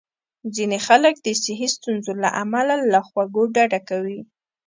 ځینې خلک د صحي ستونزو له امله له خوږو ډډه کوي.